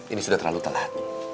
ini sudah terlalu telat